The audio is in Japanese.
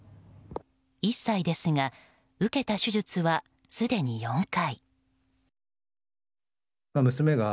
１歳ですが受けた手術はすでに４回。